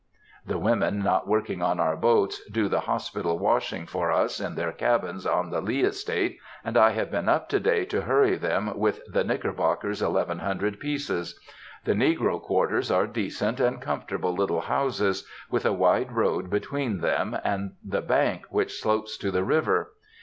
The women not working on our boats do the hospital washing for us in their cabins on the Lee estate, and I have been up to day to hurry them with the Knickerbocker's eleven hundred pieces. The negro quarters are decent and comfortable little houses, with a wide road between them and the bank which slopes to the river.